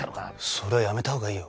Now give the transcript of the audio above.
それはやめたほうがいいよ。